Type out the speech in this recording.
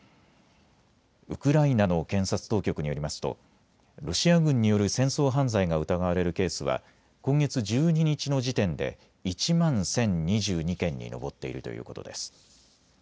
ウクライナの検察当局によりますとロシア軍による戦争犯罪が疑われるケースは今月１２日の時点で１万１０２２件に上っているということです。